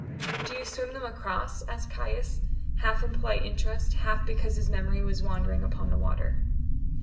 "Do you swim them across?" asked Caius, half in polite interest, half because his memory was wandering upon the water.